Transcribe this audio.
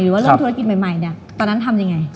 หรือว่าเริ่มธุรกิจใหม่ตอนนั้นทำยังไง